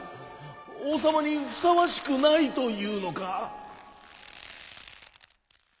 おうさまにふさわしくないというのか？」。